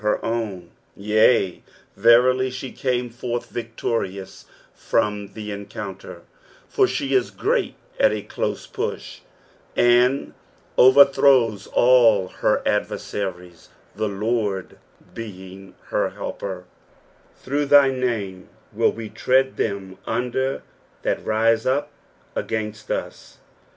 Terilf, she came forth Tictorious from the encounter, for ibe is grot at a pnah, and OTcrtbrovs all her adTeraaries, the Lord being her helper. "Through thy name will we tread thtm under that rite up ogaitiH ut.